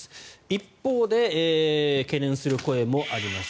一方で懸念する声もあります。